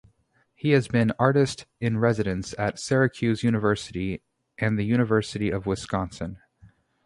He has been Artist in Residence at Syracuse University and the University of Wisconsin.